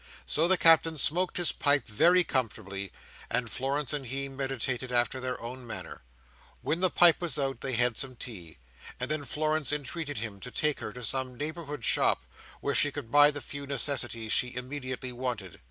So the Captain smoked his pipe very comfortably, and Florence and he meditated after their own manner. When the pipe was out, they had some tea; and then Florence entreated him to take her to some neighbouring shop, where she could buy the few necessaries she immediately wanted.